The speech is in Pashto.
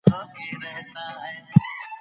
بد چلند انسان غوسه کوي.